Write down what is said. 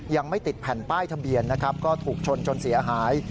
ยังไม่ติดแผ่นป้ายทะเบียนนะครับก็ถูกชนจนเสียหาย